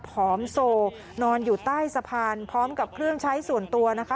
ผอมโซนอนอยู่ใต้สะพานพร้อมกับเครื่องใช้ส่วนตัวนะคะ